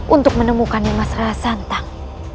untuk menemukan nimas rara santang